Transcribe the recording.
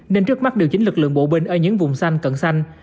nên trước mắt điều chỉnh lực lượng bộ binh ở những vùng xanh cận xanh